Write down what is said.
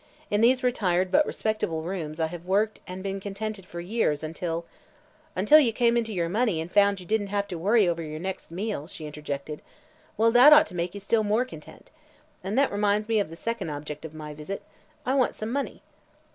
In these retired but respectable rooms I have worked and been contented for years, until " "Until you came into your money and found you didn't have to worry over your next meal," she interjected. "Well, that ought to make you still more content. And that reminds me of the second object of my visit. I want some money."